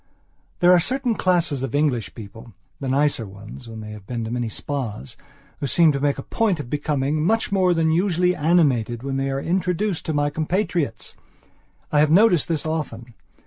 There are certain classes of English peoplethe nicer ones when they have been to many spas, who seem to make a point of becoming much more than usually animated when they are introduced to my compatriots. I have noticed this often.